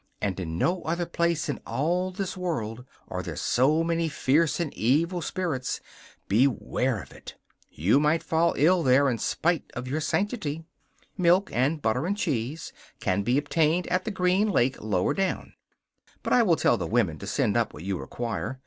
And in no other place in all this world are there so many fierce and evil spirits. Beware of it! You might fall ill there in spite of your sanctity. Milk and butter and cheese can be obtained at the Green Lake lower down; but I will tell the women to send up what you require.